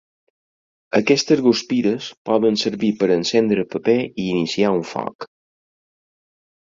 Aquestes guspires poden servir per encendre paper i iniciar un foc.